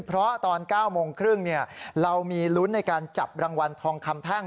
เพราะตอน๙โมงครึ่งเรามีลุ้นในการจับรางวัลทองคำแท่ง